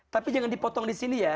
tapi jangan dipotong di sini ya